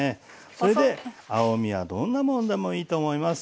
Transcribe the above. それで青みはどんなものでもいいと思います。